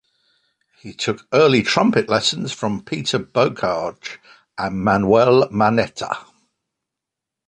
He took early trumpet lessons from Peter Bocage and Manuel Manetta.